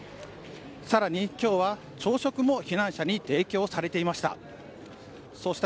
更に今日は朝食も避難者に提供されていました。